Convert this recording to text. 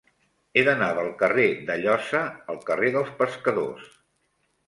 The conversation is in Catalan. He d'anar del carrer d'Alloza al carrer dels Pescadors.